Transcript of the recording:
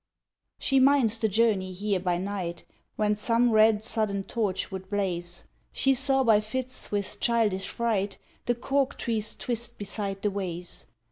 She minds the journey here by night: When some red sudden torch would blaze, She saw by fits, with childish fright, The cork trees twist beside the ways.